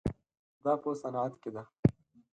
دا په صنعت کې ده.